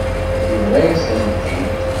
Yebḍa-yasent-t-id.